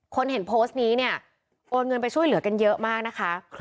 คนเห็นโพสต์นี้เนี่ยโอนเงินไปช่วยเหลือกันเยอะมากนะคะ